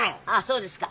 そうですか。